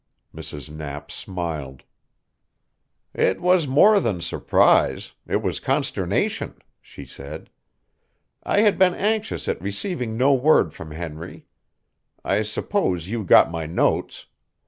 Mrs. Knapp smiled. "It was more than surprise it was consternation," she said. "I had been anxious at receiving no word from Henry. I suppose you got my notes.